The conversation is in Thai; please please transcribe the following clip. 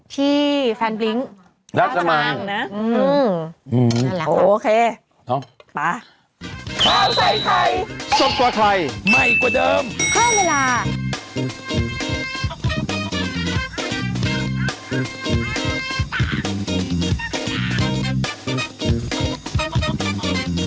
ที่แฟนบลิ้งค์รัฐสมัยนะอืมนั่นแหละครับโอเคป่ะน้อง